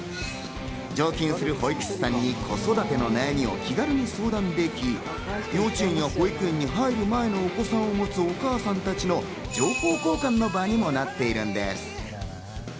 常勤する保育士さんに子育ての悩みを気軽に相談でき、幼稚園や保育園に入る前のお子さんを持つお母さんたちの情報交換の場にもなっているのです。